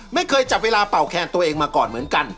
ไม่เคยจับเวลาเป่าแคนตัวเองมาก่อนเหมือนกัน